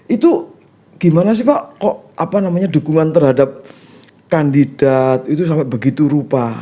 itu gimana sih pak kok apa namanya dukungan terhadap kandidat itu sangat begitu rupa